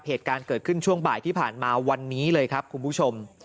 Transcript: เหตุการณ์เกิดขึ้นช่วงบ่ายที่ผ่านมาวันนี้เลยครับคุณผู้ชม